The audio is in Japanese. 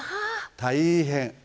大変。